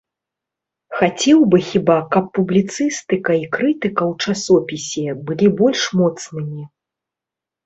Хацеў бы хіба, каб публіцыстыка і крытыка ў часопісе былі больш моцнымі.